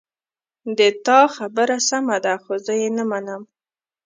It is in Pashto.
د تا خبره سمه ده خو زه یې نه منم